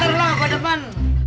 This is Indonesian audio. bentar lah gue depan